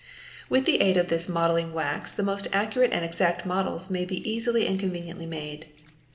With the aid of this modelling wax the most accurate and exact models may be easily and conveniently made.